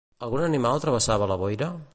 Algun animal travessava la boira?